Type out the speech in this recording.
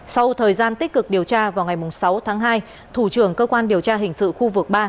sau thời gian tích cực điều tra vào ngày sáu tháng hai thủ trưởng cơ quan điều tra hình sự khu vực ba